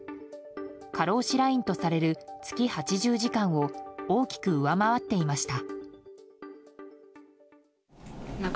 過労死ラインとされる月８０時間を大きく上回っていました。